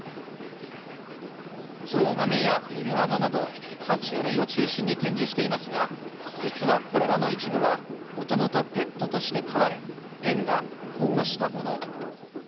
ゾウガメやイグアナなど、は虫類を中心に展示していますが、実はこれらの一部は、もともとペットとして飼われ、園が保護したもの。